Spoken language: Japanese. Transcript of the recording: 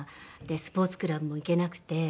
でスポーツクラブも行けなくて。